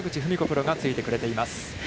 プロがついてくれています。